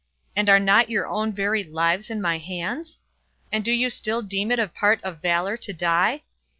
and are not your own very lives in my hands? And do you still deem it a part of valor to die?